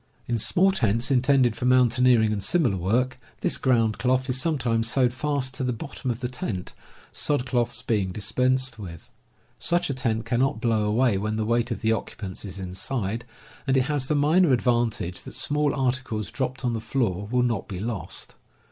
In small tents intended for mountaineering and similar work, this ground cloth is sometimes sewed fast to the bottom of the tent, sod cloths being dispensed with. Such a tent cannot blow away when the weight of the occupants is inside, and it has the minor advantage that small articles dropped on the floor will not be lost.